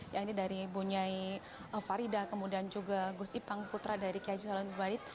yang ini dari bunyai faridah kemudian juga gus ipang putra dari g h salahuddin woyt